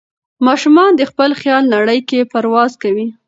ماشومان د خپل خیال نړۍ کې پرواز کوي.